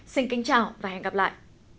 xin kính chào và hẹn gặp lại